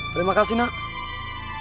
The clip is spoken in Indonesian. terima kasih nak